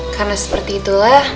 karena seperti itulah